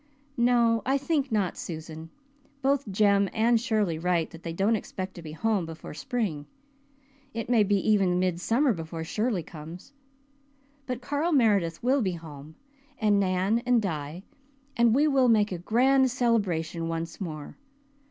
"No, I think not, Susan. Both Jem and Shirley write that they don't expect to be home before spring it may be even midsummer before Shirley comes. But Carl Meredith will be home, and Nan and Di, and we will have a grand celebration once more.